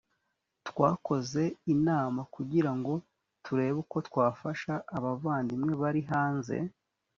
twakoze inama kugira ngo turebe uko twafasha abavandimwe bari hanze